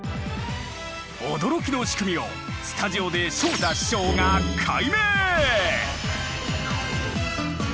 驚きの仕組みをスタジオで昇太師匠が解明！